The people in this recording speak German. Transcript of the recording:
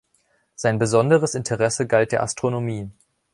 Sein besonderes Interesse galt der Astronomie.